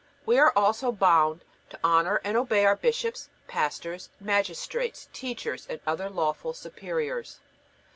We are also bound to honor and obey our bishops, pastors, magistrates, teachers, and other lawful superiors.